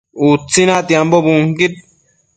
Utsi natiambo bunquid